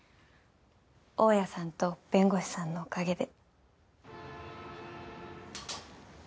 大家さんと弁護士さんのおかげで。